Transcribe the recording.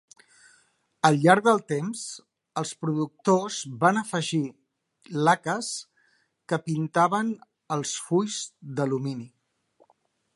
Al llarg del temps, els productors van afegir laques que pintaven els fulls d'alumini.